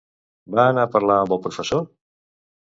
Va anar a parlar amb el professor?